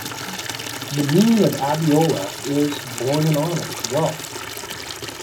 The meaning of Abiola is "born in honor, wealth".